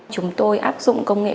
chúng tôi áp dụng công nghệ